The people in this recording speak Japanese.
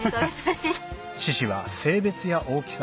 シシは性別や大きさ